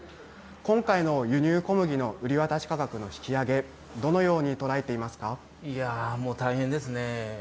今回の輸入小麦の売り渡し価格の引き上げ、どのように捉えていまいやー、もう大変ですね。